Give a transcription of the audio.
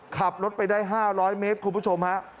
ขับรถไปได้๕๐๐เมตรครับคุณผู้ชม